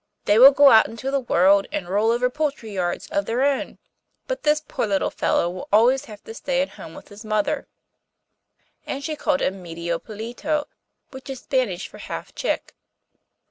They will go out into the world and rule over poultry yards of their own; but this poor little fellow will always have to stay at home with his mother.' And she called him Medio Pollito, which is Spanish for half chick.